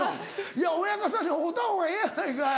いや親方に会うたほうがええやないかい。